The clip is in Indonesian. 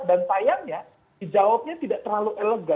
dan sayangnya dijawabnya tidak terlalu elegan